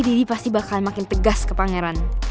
diri pasti bakal makin tegas ke pangeran